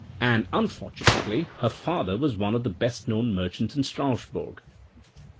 And, unfortu nately, her father was one of the best known merchants in Strasbourg."